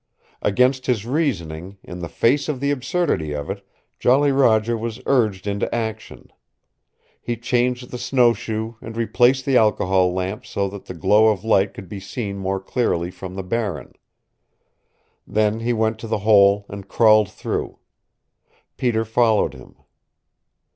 Against his reasoning in the face of the absurdity of it Jolly Roger was urged into action. He changed the snowshoe and replaced the alcohol lamp so that the glow of light could be seen more clearly from the Barren. Then he went to the hole and crawled through. Peter followed him.